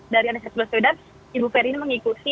dari rspad ibu ferry ini mengikuti